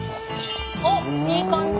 おっいい感じ。